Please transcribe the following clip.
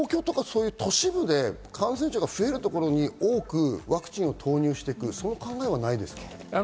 都心部で感染者が増えるところに多くワクチンを投入していくという考えはないですか。